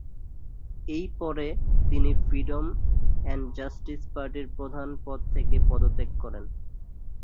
এই পরে তিনি ফ্রিডম অ্যান্ড জাস্টিস পার্টির প্রধান পদ থেকে পদত্যাগ করেন।